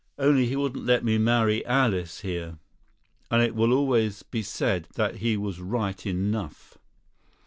Only he wouldn't let me marry Alice here; and it will always be said that he was right enough.